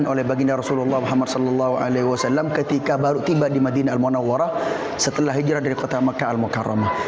masjid kuba ini dimasjidkan oleh baginda rasulullah muhammad saw ketika baru tiba di madinah al munawwarah setelah hijrah dari kota mecca al mukarramah